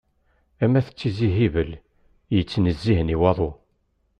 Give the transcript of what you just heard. Am at tizi Hibel, yittnezzihen i waḍu.